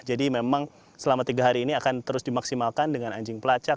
jadi memang selama tiga hari ini akan terus dimaksimalkan dengan anjing pelacak